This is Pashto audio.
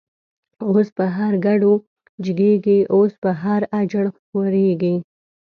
اوس په هر کډو جگیږی، اوس په هر”اجړ” خوریږی